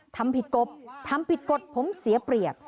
ทำผิดกฎทำผิดกฎผมเสียเปรียบ